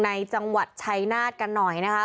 ในจังหวัดชัยนาธกันหน่อยนะคะ